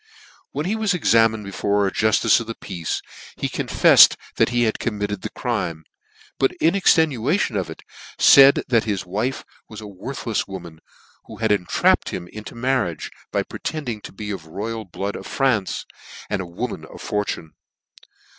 When he was examined before a jultice of peace, he confeflcd that he had committed the crime; but, in extenuation of it, faid that his wife was a worthlefs woman, who had entrapped him into marriage, by pretending to be of (he blood royal of France, and a woman of fortune.